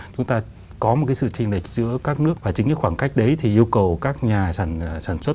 chúng ta có một cái sự tranh lệch giữa các nước và chính cái khoảng cách đấy thì yêu cầu các nhà sản xuất